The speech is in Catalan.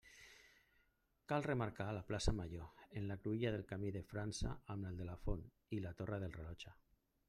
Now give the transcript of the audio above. Cal remarcar la plaça Major, en la cruïlla del camí de França amb el de la Font i la torre del rellotge.